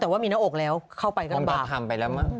แต่ว่ามีน้ออกแล้วเข้าไปก็บ้าง